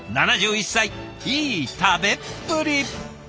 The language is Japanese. ７１歳いい食べっぷり！